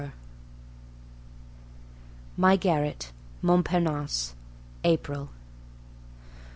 IV My Garret, Montparnasse, April.